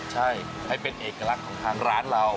ใช่ให้เป็นเอกลักษณ์ของทางร้านเรา